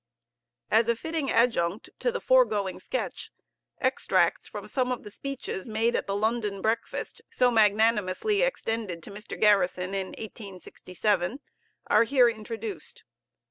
As a fitting adjunct to the foregoing sketch, extracts from some of the speeches made at the London breakfast so magnanimously extended to Mr. Garrison in 1867, are here introduced.